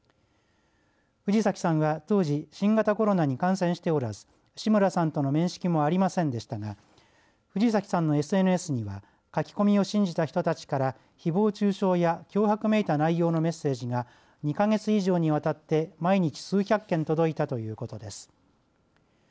藤崎さんは当時新型コロナに感染しておらず志村さんとの面識もありませんでしたが藤崎さんのＳＮＳには書き込みを信じた人たちからひぼう中傷や脅迫めいた内容のメッセージが２か月以上にわたって毎日数百件届いたということです。